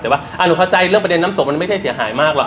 แต่ว่าหนูเข้าใจเรื่องประเด็นน้ำตกมันไม่ใช่เสียหายมากหรอก